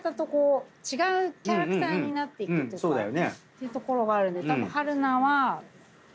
ていうところがあるんでたぶん。